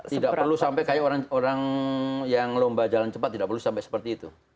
tidak perlu sampai kayak orang yang lomba jalan cepat tidak perlu sampai seperti itu